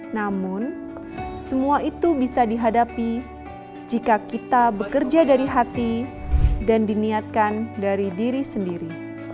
namun semua itu bisa dihadapi jika kita bekerja dari hati dan diniatkan dari diri sendiri